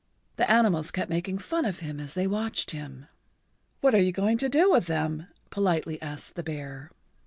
The animals kept making fun of him as they watched him. "What are you going to do with them?" politely asked the bear.